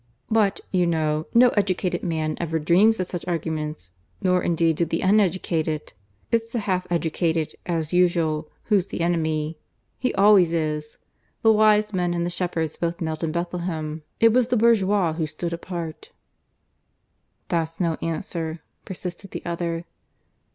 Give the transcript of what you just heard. But, you know, no educated man ever dreams of such arguments; nor indeed do the uneducated! It's the half educated, as usual, who's the enemy. He always is. The Wise Men and the shepherds both knelt in Bethlehem. It was the bourgeois who stood apart." "That's no answer," persisted the other.